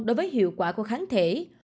đối với hiệu quả của kháng thể